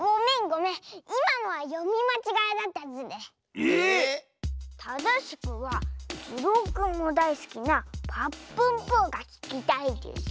ええ⁉ただしくは「ズルオくんもだいすきな『ぱっぷんぷぅ』がききたいです」